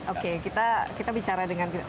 oke kita bicara dengan